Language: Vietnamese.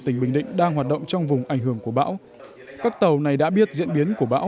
tỉnh bình định đang hoạt động trong vùng ảnh hưởng của bão các tàu này đã biết diễn biến của bão